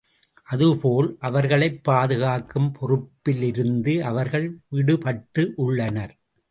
அதேபோல் அவர்களைப் பாதுகாக்கும் பொறுப்பிலிருந்து அவர்கள் விடுபட்டு உள்ளனர்.